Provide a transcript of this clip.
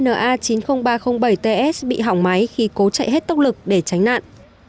tàu cá dna chín mươi nghìn ba trăm linh bảy ts bị hỏng máy khi cố chạy hết tốc lực để tránh nạn